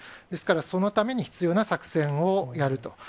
ですから、そのために必要な作戦をやると。